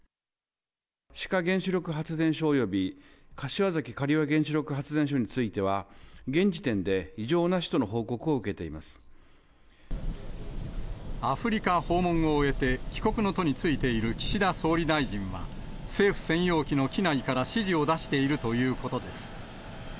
志賀原子力発電所および柏崎刈羽原子力発電所については、現時点で異常なしとの報告を受けアフリカ訪問を終えて、帰国の途に就いている岸田総理大臣は、政府専用機の機内から指示を出しているということです。